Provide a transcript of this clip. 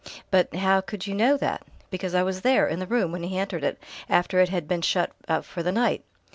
"But how could you know that?" "Because I was there, in the room, when he entered it after it had been shut up for the night."